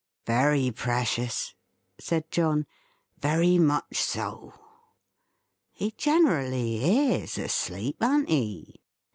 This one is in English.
"Very precious," said John. "Very much so. He generally is asleep, an't he?"